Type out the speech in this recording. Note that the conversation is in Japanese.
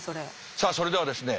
さあそれではですね